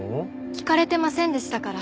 聞かれてませんでしたから。